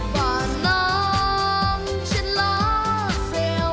và nắng trên lá xeo